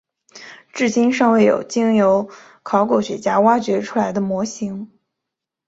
至今尚未有经由考古学家挖掘出来的模型。